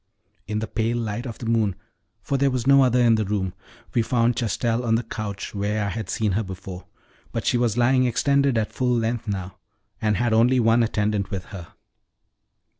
In the pale light of the moon for there was no other in the room we found Chastel on the couch where I had seen her before, but she was lying extended at full length now, and had only one attendant with her.